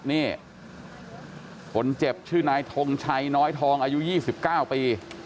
นี่คนเจ็บชื่อนายทงชัยน้อยทองอายุ๒๙ปี